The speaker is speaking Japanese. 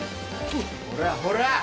ほらほら